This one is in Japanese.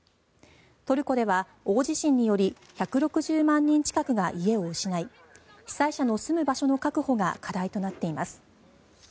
トルコでは大地震により１６０万人近くが家を失い被災者の住む場所の確保が課題となっています。